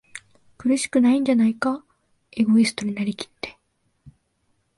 苦しくないんじゃないか？エゴイストになりきって、